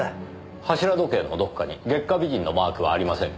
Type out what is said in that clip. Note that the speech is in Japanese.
柱時計のどこかに月下美人のマークはありませんか？